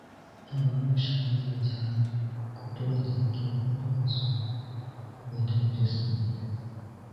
تمام اݰکاری یوجان کھوٹووا لاکی پھونیکو سُم بے ڈپ جوست ہونی